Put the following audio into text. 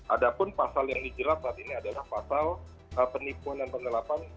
ada pun pasal yang dijerat saat ini adalah pasal penipuan dan penelapan